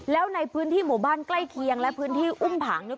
แล้วในพื้นที่หมู่บ้านใกล้เคียงและพื้นที่อุ้มผางเนี่ย